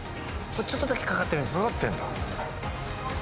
ちょっとだけかかってるんですかかってんだ